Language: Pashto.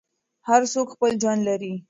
هر څوک خپل ژوند لري.